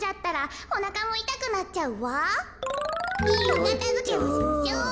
おかたづけをしましょう。